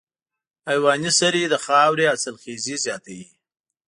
حیواني سرې د خاورې حاصلخېزي زیاتوي.